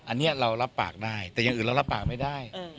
อันนี้เรารับปากได้แต่อย่างอื่นเรารับปากไม่ได้